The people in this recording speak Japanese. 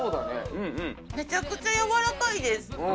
めちゃくちゃやわらかいです。